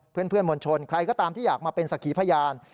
เพื่อนมวลชนใครก็ตามที่อยากมาเป็นสักขีพยาน